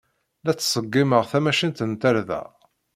La ttṣeggimeɣ tamacint n tarda.